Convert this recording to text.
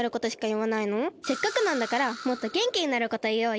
せっかくなんだからもっとげんきになることいおうよ。